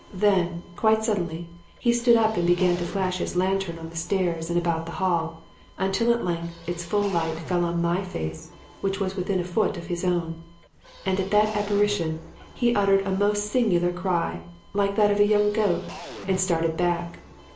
Then, quite suddenly, he stood up and began to flash his lantern on the stairs and about the hall until at length its light fell full on my face which was within a foot of his own. And at that apparition he uttered a most singular cry, like that of a young goat, and started back.